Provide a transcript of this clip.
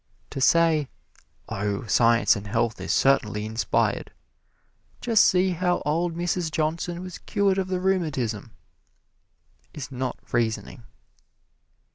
To say, "Oh, 'Science and Health' is certainly inspired just see how old Mrs. Johnson was cured of the rheumatism!" is not reasoning.